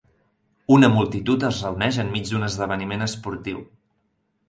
Una multitud es reuneix enmig d'un esdeveniment esportiu.